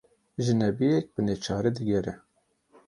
Jinebiyek bi neçarî diğere